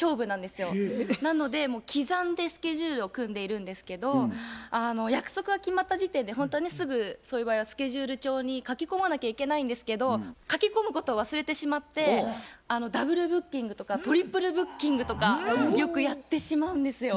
なのでもう刻んでスケジュールを組んでいるんですけど約束が決まった時点でほんとはねすぐそういう場合はスケジュール帳に書き込まなきゃいけないんですけど書き込むことを忘れてしまってダブルブッキングとかトリプルブッキングとかよくやってしまうんですよ。